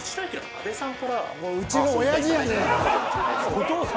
お父様？